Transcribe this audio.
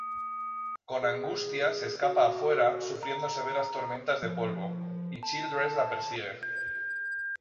Con angustia, se escapa afuera, sufriendo severas tormentas de polvo, y Childress la persigue.